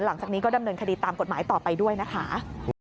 หลังจากนี้ก็ดำเนินคดีตามกฎหมายต่อไปด้วยนะคะ